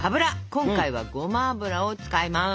今回はごま油を使います。